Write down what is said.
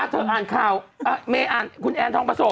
เค้าอ้านคาวแอร์ทองผสม